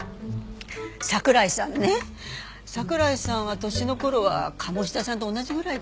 桜井さんね桜井さんは年の頃は鴨志田さんと同じぐらいかな。